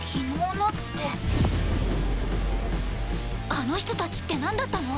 あの人たちってなんだったの？